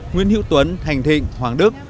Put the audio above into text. nguyễn hữu tuấn thành thịnh hoàng đức